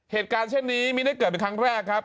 เหตุการณ์เช่นนี้ไม่ได้เกิดเป็นครั้งแรกครับ